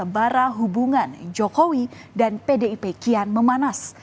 barah hubungan jokowi dan pdip kian memanas